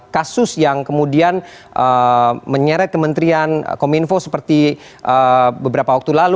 kasus yang kemudian menyeret kementerian kominfo seperti beberapa waktu lalu